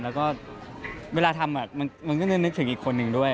แล้วก็เวลาทำมันก็จะนึกถึงอีกคนนึงด้วย